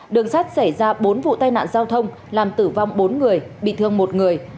đường sắt xảy ra bốn vụ tai nạn giao thông làm tử vong bốn người bị thương một người